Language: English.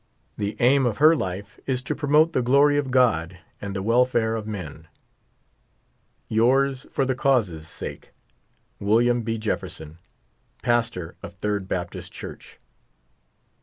The aim of her life is to promote the glory of God and the welfare of men. Yours for the cause's sake, WM. B. JEFFERSON. Pastor of Third Baptist Church.